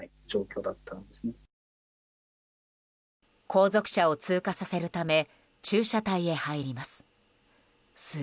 後続車を通過させるため駐車帯へ入ります。